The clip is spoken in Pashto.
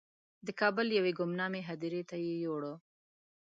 د کابل یوې ګمنامې هدیرې ته یې یووړ.